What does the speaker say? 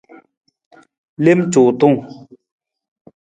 Lem cuutung.